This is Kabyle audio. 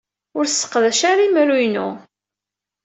Ur sseqdac ara imru-inu.